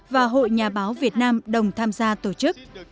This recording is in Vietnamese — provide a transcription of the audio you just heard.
và hội nhà báo việt nam đồng tham gia tổ chức